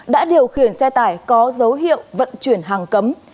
đã điều khiển xe tải có dấu hiệu vận chuyển hàng cấm